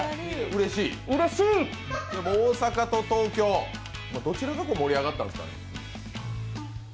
大阪と東京どちらが盛り上がったんですか？